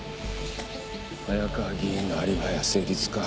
早川議員のアリバイは成立か。